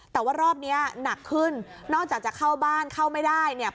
แต่ว่ารอบนี้หนักขึ้นนอกจากจะเข้าบ้านเข้าไม่ได้เนี่ย